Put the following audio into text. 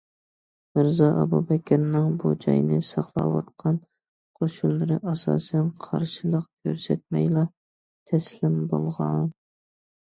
مىرزا ئابابەكرىنىڭ بۇ جاينى ساقلاۋاتقان قوشۇنلىرى ئاساسەن قارشىلىق كۆرسەتمەيلا تەسلىم بولغان.